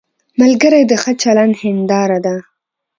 ملګری د ښه چلند هنداره ده